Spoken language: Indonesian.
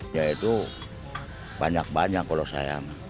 ya itu banyak banyak kalau saya